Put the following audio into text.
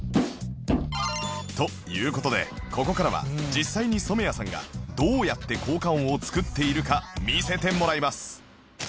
という事でここからは実際に染谷さんがどうやって効果音を作っているか見せてもらいます